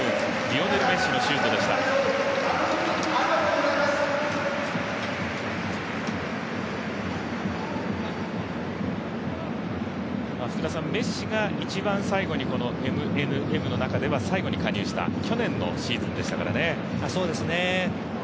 リオネル・メッシのシュートでしたメッシがＭＮＭの中では一番最後に加入した去年のシーズンでしたからね。